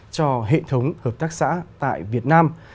cho hệ thống hợp tác xã tại việt nam